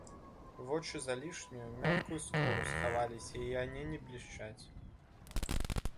Вочы за лішнюю, мяккую скуру схаваліся й ані не блішчаць.